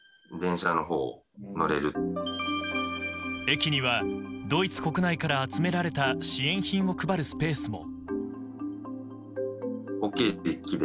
駅にはドイツ国内から集められた支援品を配るスペースも。